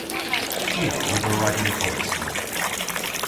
Ty a ober rag an konsel.